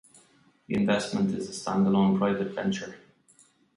The investment is a standalone private venture.